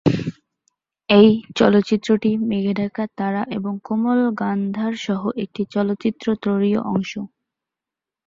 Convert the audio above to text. এই চলচ্চিত্রটি মেঘে ঢাকা তারা এবং কোমল গান্ধার সহ একটি চলচ্চিত্র-ত্রয়ীর অংশ।